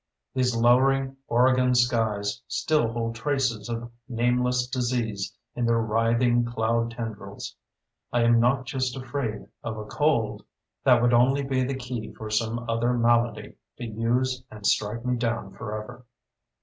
These lowering Oregon skies still hold traces of nameless disease in their writhing cloud tendrils. I am not just afraid of a cold. That would only be the key for some other malady to use and strike me down forever.